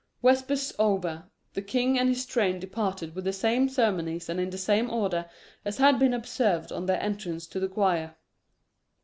Vespers over, the king and his train departed with the same ceremonies and in the same order as had been observed on their entrance to the choir.